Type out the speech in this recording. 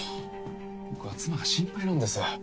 僕は妻が心配なんです。